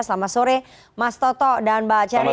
selamat sore mas toto dan mbak ceria